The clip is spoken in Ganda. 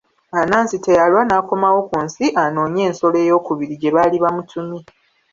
Anansi teyalwa n'akomawo ku nsi anoonye ensolo ey'okubiri gye baali bamutumye.